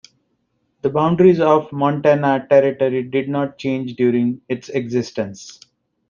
The boundaries of Montana territory did not change during its existence.